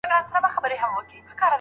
زوی په انتيکو بازار کي ساعت نه و پلورلی.